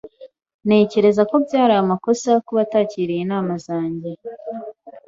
Ntekereza ko byari amakosa kuba atakiriye inama zanjye.